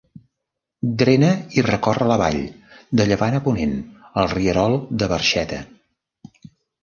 Drena i recorre la vall, de llevant a ponent, el rierol de Barxeta.